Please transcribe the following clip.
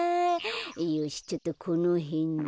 よしちょっとこのへんで。